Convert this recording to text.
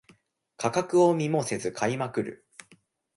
価格を見もせず買いまくる